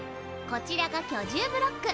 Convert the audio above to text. こちらが居住ブロック。